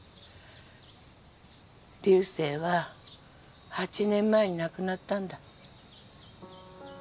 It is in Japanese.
流星は８年前に亡くなったんだ。